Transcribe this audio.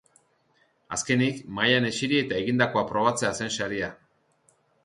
Azkenik, mahaian eseri eta egindako probatzea zen saria.